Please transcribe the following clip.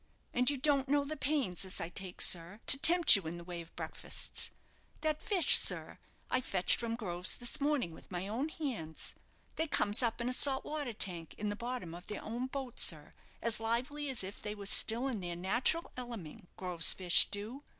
And you don't know the pains as I take, sir, to tempt you in the way of breakfastes. That fish, sir, I fetched from Grove's this morning with my own hands. They comes up in a salt water tank in the bottom of their own boat, sir, as lively as if they was still in their natural eleming, Grove's fish do.